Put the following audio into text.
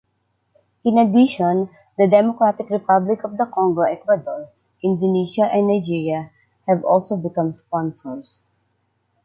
In addition, the Democratic Republic of the Congo, Ecuador, Indonesia and Nigeria have also become sponsors.